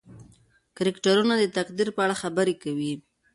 کرکټرونه د تقدیر په اړه خبرې کوي.